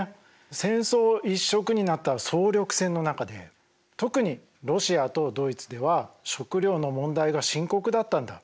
戦争一色になった総力戦の中で特にロシアとドイツでは食料の問題が深刻だったんだ。